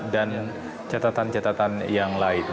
dan catatan catatan yang lain